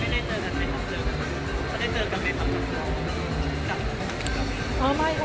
ไม่ได้เจอกันไม่ได้เจอกันไม่ได้เจอกันไม่ได้เจอกัน